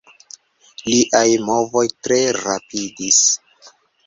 Liaj movoj tre rapidis.